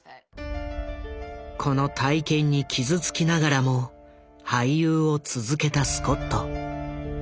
この体験に傷つきながらも俳優を続けたスコット。